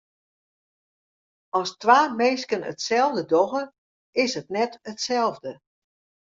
As twa minsken itselde dogge, is it net itselde.